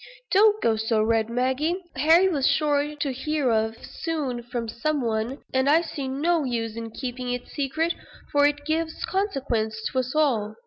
Don't go so red, Maggie. Harry was sure to hear of it soon from some one, and I see no use in keeping it secret, for it gives consequence to us all."